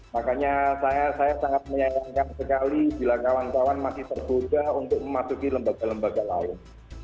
makanya saya sangat menyayangkan sekali bila kawan kawan masih tergoda untuk memasuki lembaga lembaga lain